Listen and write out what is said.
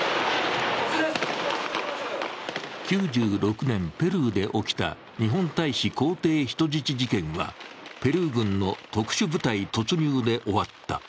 ９６年、ペルーで起きた日本大使公邸人質事件はペルー軍の特殊部隊突入で終わった。